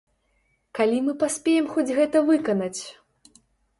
Калі мы паспеем хоць гэта выканаць!?